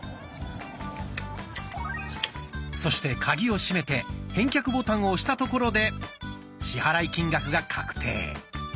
そしてカギを閉めて返却ボタンを押したところで支払い金額が確定。